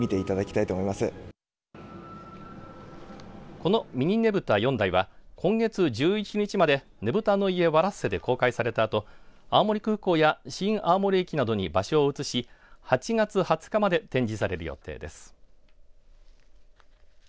このミニねぶた４台は今月１１日までねぶたの家ワ・ラッセで公開されたあと青森空港や新青森駅に場所を移し８月２０日まで展示される予定です。